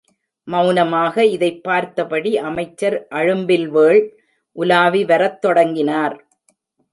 மெளனமாக இதைப் பார்த்தபடி அமைச்சர் அழும்பில்வேள், உலாவி வரத் தொடங்கினார்.